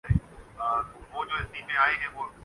میں خود کروں گا